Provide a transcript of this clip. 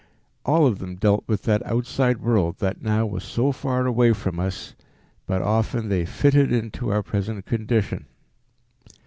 All of them dealt with that outside world that now was so far away from us, but often they fitted into our present condition.